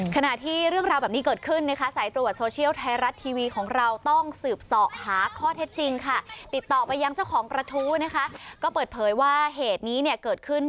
ขณะที่เรื่องราวแบบนี้เกิดขึ้น